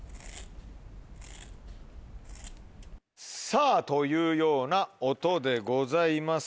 さぁというような音でございます。